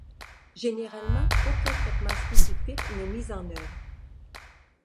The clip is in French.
Généralement aucun traitement spécifique n'est mis en œuvre.